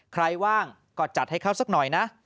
ว่างก็จัดให้เขาสักหน่อยนะ